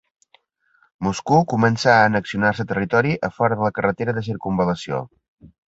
Moscou començà a annexionar-se territori a fora de la carretera de circumval·lació.